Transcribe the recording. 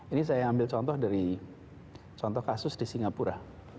ini saya ambil contoh dari contoh kasus di singapura